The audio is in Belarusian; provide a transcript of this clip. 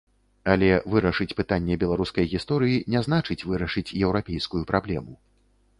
Але вырашыць пытанне беларускай гісторыі, не значыць вырашыць еўрапейскую праблему.